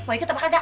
mau ikut apa kagak